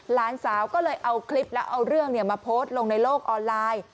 หลานสาวก็เลยเอาคลิปแล้วเอาเรื่องมาโพสต์ลงในโลกออนไลน์